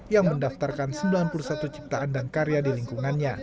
yang mendaftarkan sembilan puluh satu ciptaan dan karya di lingkungannya